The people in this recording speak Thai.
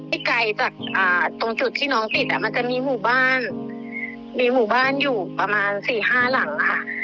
ไกลจากตรงจุดที่น้องติดมันจะมีหมู่บ้านมีหมู่บ้านอยู่ประมาณ๔๕หลังค่ะ